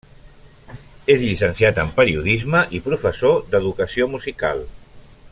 És llicenciat en periodisme i professor d'educació musical.